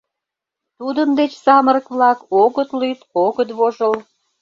Тудын деч самырык-влак огыт лӱд, огыт вожыл.